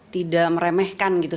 tidak meremehkan gitu